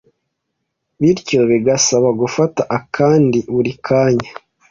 bityo bigasaba gufata akandi buri kanya